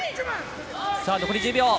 残り１０秒。